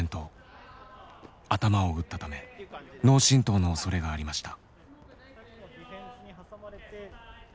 頭を打ったため脳震とうのおそれがありました。